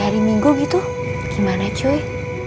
jadi bagaimana cuy